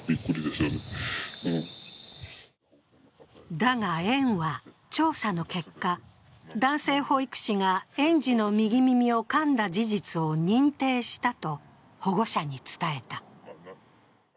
だが、園は調査の結果、男性保育士が園児の右耳をかんだ事実を認定したと保護者に伝えた。